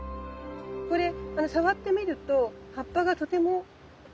これ触ってみると葉っぱがとても厚い？